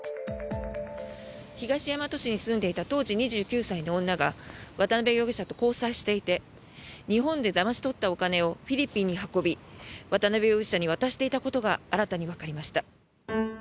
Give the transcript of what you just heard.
東大和市に住んでいた当時２９歳の女が渡邉容疑者と交際していて日本でだまし取ったお金をフィリピンに運び渡邉容疑者に渡していたことが新たにわかりました。